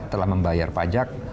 telah membayar pajak